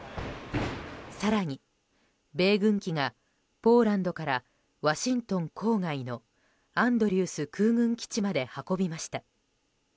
更に、米軍機がポーランドからワシントン郊外のアンドリュース空軍基地まで運びました。